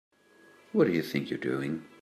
What do you think you're doing?